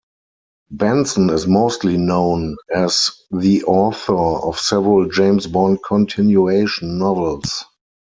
Benson is mostly known as the author of several James Bond continuation novels.